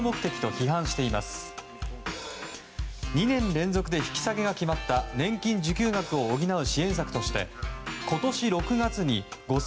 ２年連続で引き下げが決まった年金受給額を補う支援策として今年６月に５０００円